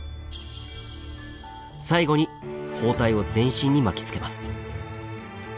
最後に包帯を全身に巻きつけます。